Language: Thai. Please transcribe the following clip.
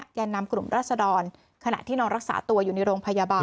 แก่นำกลุ่มรัศดรขณะที่นอนรักษาตัวอยู่ในโรงพยาบาล